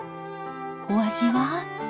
お味は？